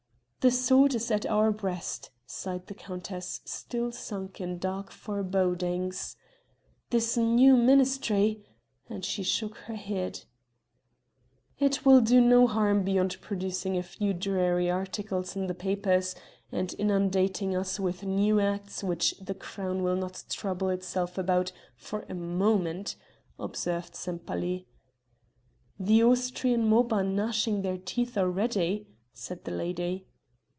"The sword is at our breast!" sighed the countess still sunk in dark forebodings. "This new ministry!..." And she shook her head. "It will do no harm beyond producing a few dreary articles in the papers and inundating us with new Acts which the crown will not trouble itself about for a moment," observed Sempaly. "The Austrian mob are gnashing their teeth already!" said the lady.